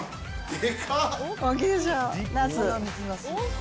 でかっ。